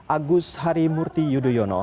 agus harimurti yudhoyono